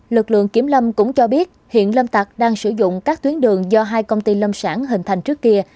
lực lượng kiểm lâm cũng cho biết hiện lâm tạc đang sử dụng các tuyến đường do hai công ty lâm sản hình thành trước kia